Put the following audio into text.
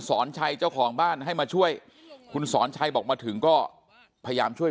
สอนชัยเจ้าของบ้านให้มาช่วยคุณสอนชัยบอกมาถึงก็พยายามช่วย